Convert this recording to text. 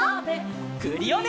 クリオネ！